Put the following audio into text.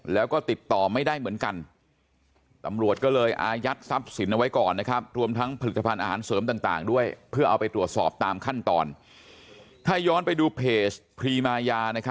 แล้วก็ติดต่อไม่ได้เหมือนกัน